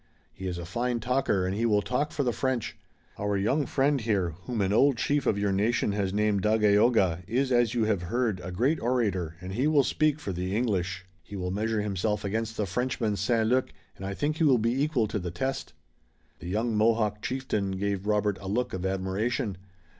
He is a fine talker and he will talk for the French. Our young friend here, whom an old chief of your nation has named Dagaeoga, is, as you have heard, a great orator, and he will speak for the English. He will measure himself against the Frenchman, St. Luc, and I think he will be equal to the test." The young Mohawk chieftain gave Robert a look of admiration.